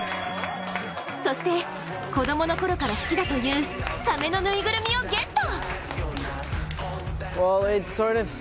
そして、子供のころから好きだというサメのぬいぐるみをゲット。